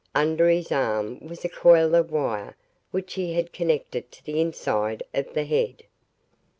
Under his arm was a coil of wire which he had connected to the inside of the head.